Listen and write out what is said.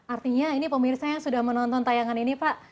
artinya ini pemirsa yang sudah menonton tayangan ini pak